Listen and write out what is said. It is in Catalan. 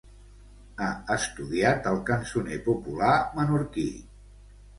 Ha estudiat el cançoner popular menorquí.